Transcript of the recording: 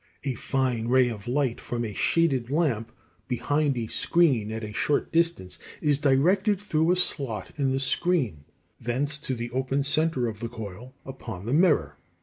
A fine ray of light from a shaded lamp, behind a screen (Figs. 20 and 21) at a short distance, is directed through a slot in the screen, thence to the open center of the coil (c) upon the mirror.